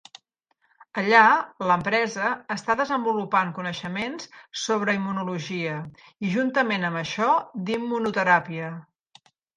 Allà, l'empresa està desenvolupant coneixements sobre immunologia, i juntament amb això, d'immunoteràpia.